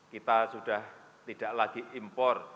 kita sudah tidak lagi impor